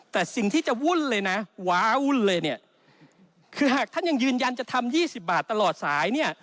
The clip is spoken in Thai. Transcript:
แต่สิ่งที่จะวุ่นเลยนะว้าวุ่นเลยเนี่ยคือหากท่านยังยืนยันจะทำ๒๐บาทตลอดสายเนี่ย